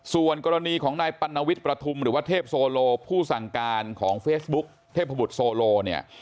ส่วนกรณีของนายปัณวิทย์ประทุมหรือว่าเทพโซโลผู้สั่งการของเฟซบุ๊คเทพบุตรโซโลเนี่ย